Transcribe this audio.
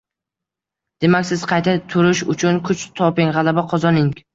Demak siz qayta turish uchun kuch toping, g‘alaba qozoning